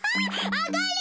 あがり！